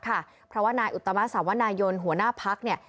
ค่ะพระวัตนาอุตตาบสรรวรรณายนหัวหน้าพักฐ์